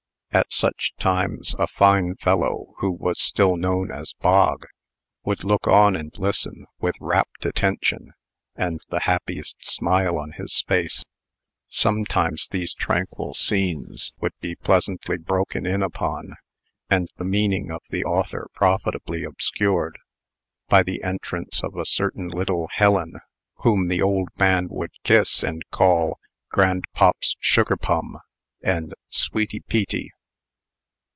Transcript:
At such times, a fine fellow, who was still known as Bog, would look on and listen, with rapt attention, and the happiest smile on his face. Sometimes these tranquil scenes would be pleasantly broken in upon, and the meaning of the author profitably obscured, by the entrance of a certain little Helen, whom the old man would kiss, and call "Grandpop's sugarp'um," and "Sweety peety."